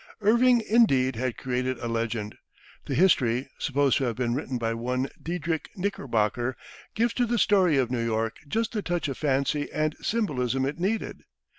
Irving, indeed, had created a legend. The history, supposed to have been written by one Diedrich Knickerbocker, gives to the story of New York just the touch of fancy and symbolism it needed.